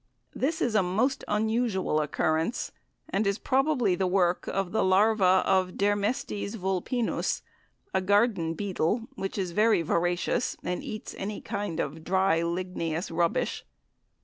This is a most unusual occurrence, and is probably the work of the larva of "Dermestes vulpinus," a garden beetle, which is very voracious, and eats any kind of dry ligneous rubbish.